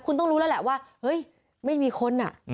คุณต้องรู้แล้วแหละว่าเฮ้ยไม่มีคน